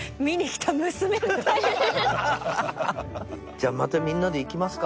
じゃあまたみんなで行きますか。